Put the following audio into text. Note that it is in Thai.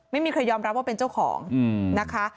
ไม่มีใครยอมรับว่าเป็นเจ้าของนะคะ